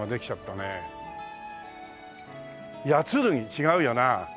違うよなあ。